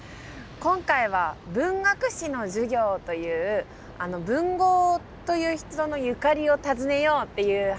今回は文学史の授業という文豪という人のゆかりを訪ねようっていう話になってます。